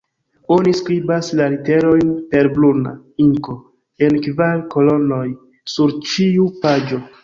Oni skribis la literojn per bruna inko, en kvar kolonoj sur ĉiu paĝo.